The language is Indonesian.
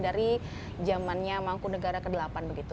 dari zamannya mangkunegara ke delapan begitu